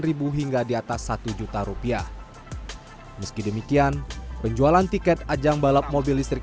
ribu hingga di atas satu juta rupiah meski demikian penjualan tiket ajang balap mobil listrik